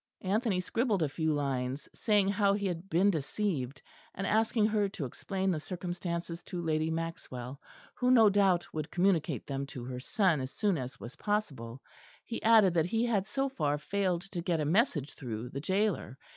Anthony scribbled a few lines, saying how he had been deceived; and asking her to explain the circumstances to Lady Maxwell, who no doubt would communicate them to her son as soon as was possible; he added that he had so far failed to get a message through the gaoler.